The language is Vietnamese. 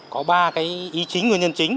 có ba cái ý chính nguyên nhân chính